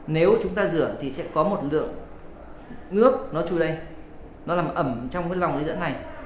nếu chúng ta rửa thì sẽ có một lượng nước nó chui đây nó làm ẩm trong cái lòng dây dẫn này